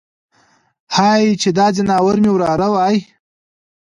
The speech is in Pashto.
هی چې دا ځناور مې وراره وای.